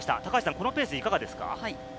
このペース、いかがですか？